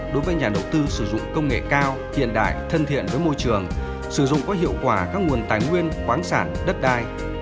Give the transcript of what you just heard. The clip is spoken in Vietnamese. đối với nhà đầu tư sử dụng công nghệ cao hiện đại thân thiện với môi trường sử dụng có hiệu quả các nguồn tài nguyên khoáng sản đất đai